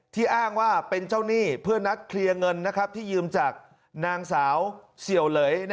อ้างว่าเป็นเจ้าหนี้เพื่อนัดเคลียร์เงินที่ยืมจากนางสาวเสี่ยวเหลย